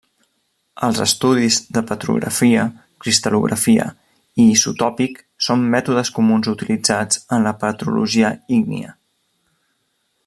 Els estudis de Petrografia, cristal·lografia i isotòpic són mètodes comuns utilitzats en la petrologia ígnia.